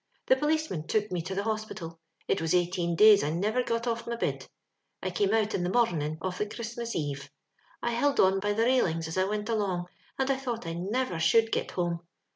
The policeman took me to the hospital. It was eighteen days I nivor got ofi* my bid. I came out in the morunning of the Christmas eve. I hild on by the rail ings as I wint along, and I thought I niver should git home.